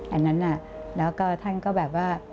อันนั้นน่ะแล้วก็ท่านก็แบบว่า